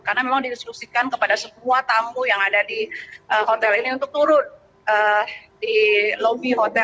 karena memang diinstruksikan kepada semua tamu yang ada di hotel ini untuk turun di lobby hotel